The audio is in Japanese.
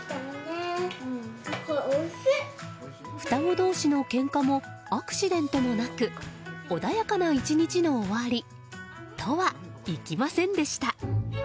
双子同士のけんかもアクシデントもなく穏やかな１日の終わりとはいきませんでした。